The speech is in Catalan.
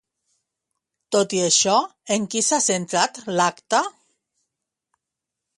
Tot i això, en qui s'ha centrat l'acte?